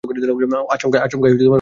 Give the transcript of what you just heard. আচমকাই হয়ে গেছে।